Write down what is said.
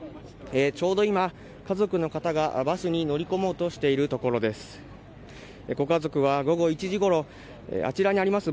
ちょうど今家族の方がバスに乗り込もうとしているところです。